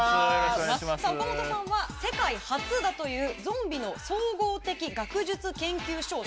岡本さんは世界初だというゾンビの総合的学術研究書を